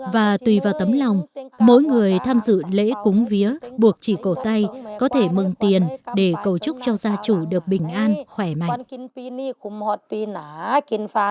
và tùy vào tấm lòng mỗi người tham dự lễ cúng vía buộc chỉ cổ tay có thể mừng tiền để cầu chúc cho gia chủ được bình an khỏe mạnh